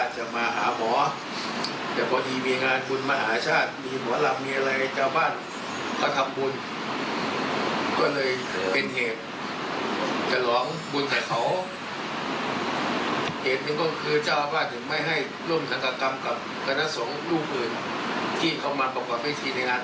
จนแล้วตอนนึกก็ท่านพระเนรมาพบ